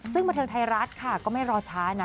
ซึ่งบันเทิงไทยรัฐค่ะก็ไม่รอช้านะ